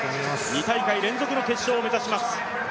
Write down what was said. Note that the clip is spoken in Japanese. ２大会連続の決勝を目指します。